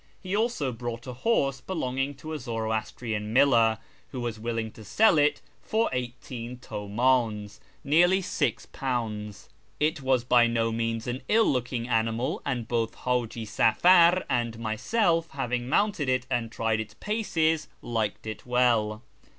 He also brought a horse belonging to a Zoroastrian miller, who was willing to sell it for eighteen Utmdns (nearly £6). It was by no means an ill looking animal, and both Haji Safar and myself, having mounted it and tried its paces, liked it well.